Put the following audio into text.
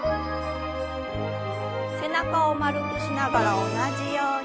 背中を丸くしながら同じように。